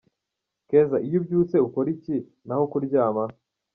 Keza, iyo ubyutse ukora iki? Naho kuryama?.